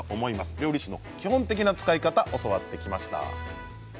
料理酒の基本的な使い方教わってきました。